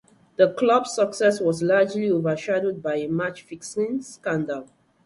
The club's success was largely overshadowed by a match fixing scandal.